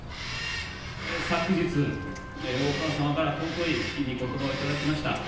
昨日、お母様から尊いみことばを頂きました。